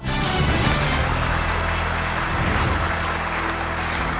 ครับ